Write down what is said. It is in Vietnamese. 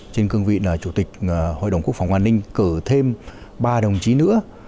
trên cương vị là chủ tịch hội đồng quốc phòng an ninh cử thêm ba đồng chí nữa